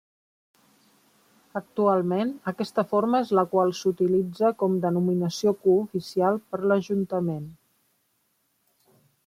Actualment aquesta forma és la qual s'utilitza com denominació cooficial per l'ajuntament.